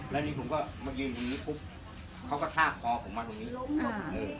แล้วนี่ผมก็มายืนตรงนี้ปุ๊บเขากระชากคอผมมาตรงนี้